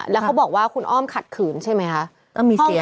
แล้วเขาบอกว่าคุณอ้อมขัดขืนใช่ไหมคะ